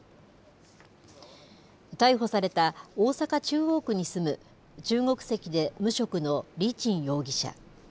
逮捕された大阪・中央区に住む、中国籍で無職の李ちん容疑者。